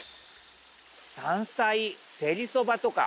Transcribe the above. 山菜セリそばとか。